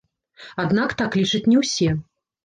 Аднак так лічаць не ўсе.